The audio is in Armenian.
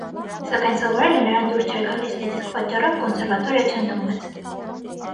Սակայն սովորելը նրան դուր չէր գալիս, այդ իսկ պատճառով կոնսերվատորիա չընդունվեց։